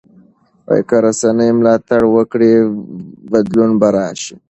که رسنۍ ملاتړ وکړي بدلون به راشي.